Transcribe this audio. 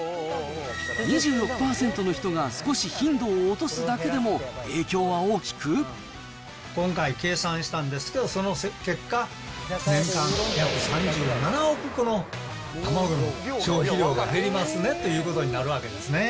２６％の人が少し頻度を落とすだけでも、今回、計算したんですけど、その結果、年間約３７億個の卵の消費量が減りますねっていうことになるわけですね。